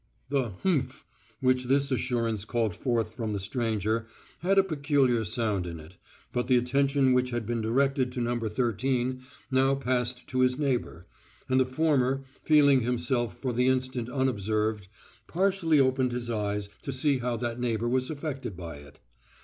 The "humph" which this assurance called forth from the stranger had a peculiar sound in it, but the attention which had been directed to No. Thirteen now passed to his neighbor, and the former, feeling himself for the instant unobserved, partially opened his eyes to see how that neighbor was affected by it.